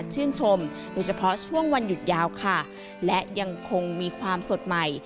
ยังคงมีความสดใหม่